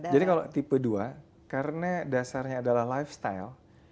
jadi kalau tipe dua karena dasarnya adalah lifestyle